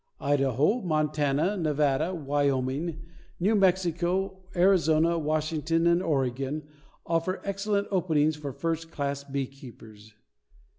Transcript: Idaho, Montana, Nevada, Wyoming, New Mexico, Arizona, Washington and Oregon offer excellent openings for first class beekeepers.